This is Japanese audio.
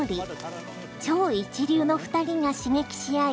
超一流の２人が刺激し合い